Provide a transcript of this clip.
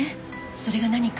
それが何か？